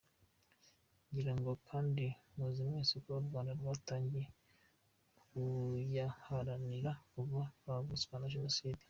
Ngira ngo kandi muzi mwese ko u Rwanda rwatangiye kuyaharanira kuva rwayavutswa na Jenoside.